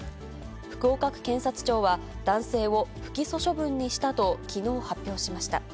福岡区検察庁は、男性を不起訴処分にしたときのう発表しました。